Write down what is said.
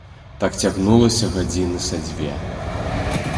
Так цягнулася гадзіны са дзве.